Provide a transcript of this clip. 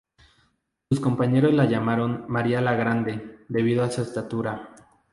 Sus compañeros la llamaron "María la Grande" debido a su estatura.